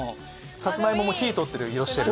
さつまいも火通ってる色してる。